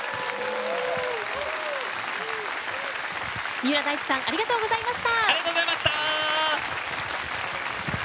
三浦大知さんありがとうございました。